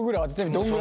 どんぐらい？